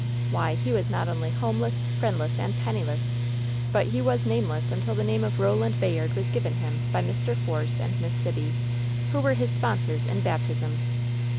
Why, he was not only homeless, friendless and penniless, but he was nameless until the name of Bo land Bayard was given him by Mr. Force and Misr Sibby, who were his sponsors in baptism!"